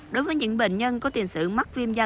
đối với những bệnh nhân có tiền sử mắc viêm da